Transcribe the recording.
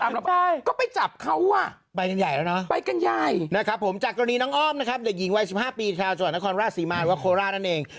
นะครับผมจากกรณีน้องอ้อมนะครับเด็กหญิงวัย๑๕ปีชาวจัวร์นครรภ์ราชศรีมารหรือว่าโครลาร์นั่นเอง